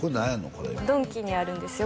これドンキにあるんですよ